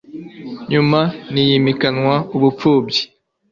nyuma ntiyimikanwa ubupfubyi